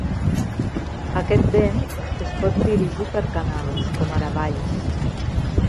Aquest vent es pot dirigir per canals, com ara valls.